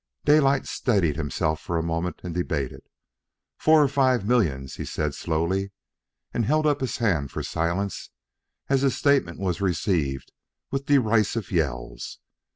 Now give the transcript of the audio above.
Daylight steadied himself for a moment and debated. "Four or five millions," he said slowly, and held up his hand for silence as his statement was received with derisive yells.